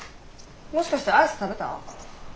もしかしてアイス食べた？